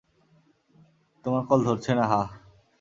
তোমার কল ধরছে না, হাহ?